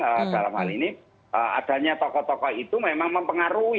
dalam hal ini adanya tokoh tokoh itu memang mempengaruhi